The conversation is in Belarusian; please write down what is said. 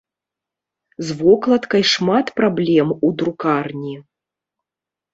З вокладкай шмат праблем у друкарні.